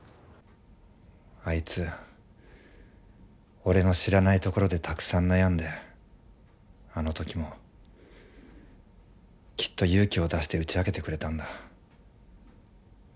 あいつ俺の知らないところでたくさん悩んであの時もきっと勇気を出して打ち明けてくれたんだ。